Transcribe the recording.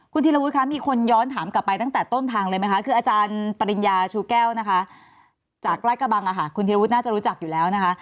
คุณธีรวุฒิคะมีคนย้อนถามกลับไปตั้งแต่ต้นทางเลยไหมคะคืออาจารย์ปริญญาชูแก้วนะคะจากราชกระบังคุณธิรวุฒิน่าจะรู้จักอยู่แล้วนะคะ